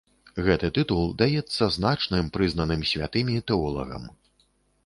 Гэты тытул даецца значным, прызнаным святымі, тэолагам.